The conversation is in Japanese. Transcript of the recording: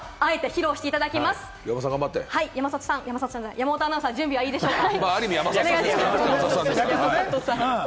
山本アナウンサー、準備はいいでしょうか？